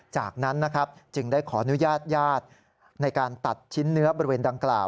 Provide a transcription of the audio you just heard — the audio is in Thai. จากนั้นนะครับจึงได้ขออนุญาตญาติในการตัดชิ้นเนื้อบริเวณดังกล่าว